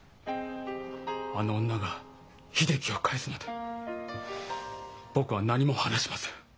あの女が秀樹を返すまで僕は何も話しません。